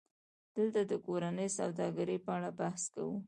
دلته د کورنۍ سوداګرۍ په اړه بحث کوو